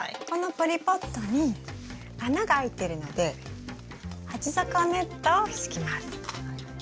このポリポットに穴が開いてるので鉢底ネットを敷きます。